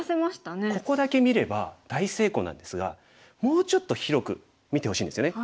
ここだけ見れば大成功なんですがもうちょっと広く見てほしいんですよね。